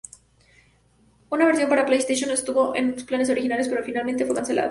Una versión para PlayStation estuvo en los planes originales, pero finalmente fue cancelada.